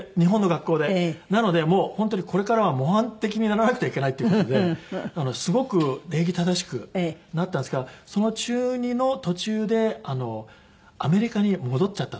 なのでもう本当にこれからは模範的にならなくてはいけないっていう事ですごく礼儀正しくなったんですがその中２の途中でアメリカに戻っちゃったんです。